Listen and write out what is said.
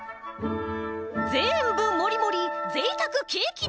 ぜんぶもりもりぜいたくケーキタワー！